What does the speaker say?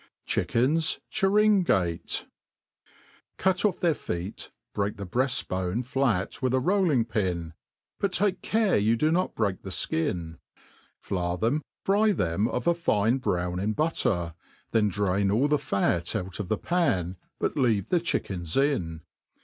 ' Chickens Chiringrate. CUT off their feet, break the breaft bone flat with a roll ing pin ;* but take care you do not break the (kin ; flour them, fry them of a fine brown in butter, then drain all the fat out of the pan, but leaive the chickens in.